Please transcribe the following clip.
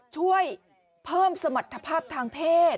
ช่วยเพิ่มสมรรถภาพทางเพศ